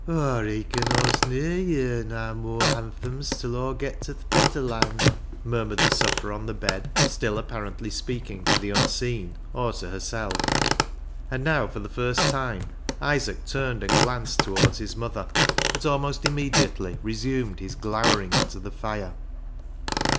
ISAAC'S ANGEL 265 "Aw reacon Aw'st ne'er yer na mooar hanthums till Aw get to the bet ter land," mur mured the sufferer on the bed, still apparently speaking to the Unseen or to herself. And now for the first time Isaac turned and glanced towards his mother, but almost immedi ately resumed his glowering into the fire.